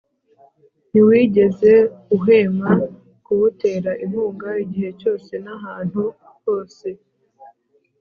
ntiwigeze uhwema kuwutera inkunga, igihe cyose n’ahantu hose.